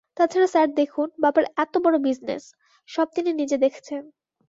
তাছাড়া স্যার দেখুন, বাবার এত বড় বিজনেস, সব তিনি নিজে দেখছেন।